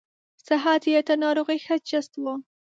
صحت یې تر ناروغۍ ښه چست و.